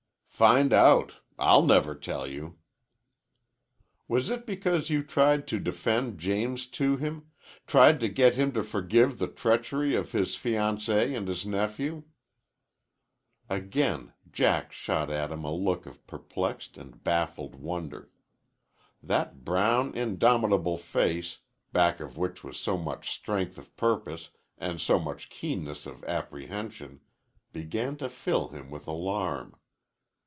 "Find out! I'll never tell you." "Was it because you tried to defend James to him tried to get him to forgive the treachery of his fiancée and his nephew?" Again Jack shot at him a look of perplexed and baffled wonder. That brown, indomitable face, back of which was so much strength of purpose and so much keenness of apprehension, began to fill him with alarm.